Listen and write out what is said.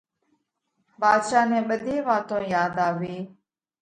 ڀاڌشا نئہ ٻڌي واتون ياڌ آوي